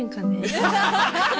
ハハハハ！